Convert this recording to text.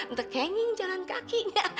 ntar kenging jalan kakinya